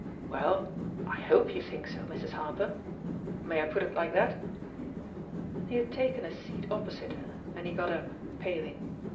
'^ "Well, I hope you think so, Mrs. Harper, May I put it like that?" He had taken a seat opposite her, and he got up, paling.